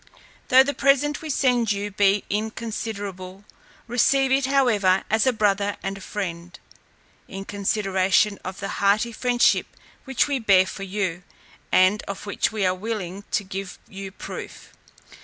"Though the present we send you be inconsiderable, receive it however as a brother and a friend, in consideration of the hearty friendship which we bear for you, and of which we are willing to give you proof.